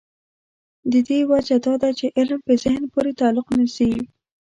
د دې وجه دا ده چې علم په ذهن پورې تعلق نیسي.